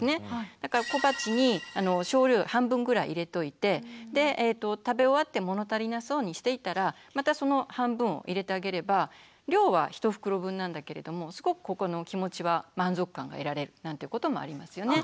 だから小鉢に少量半分ぐらい入れといて食べ終わって物足りなそうにしていたらまたその半分を入れてあげれば量は１袋分なんだけれどもすごく気持ちは満足感が得られるなんてこともありますよね。